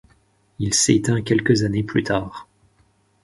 Il s'éteint quelques années plus tard.